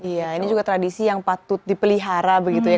iya ini juga tradisi yang patut dipelihara begitu ya